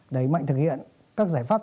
đấy mạnh thực hiện các giải pháp